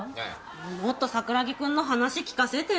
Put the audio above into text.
もっと桜木くんの話聞かせてよ。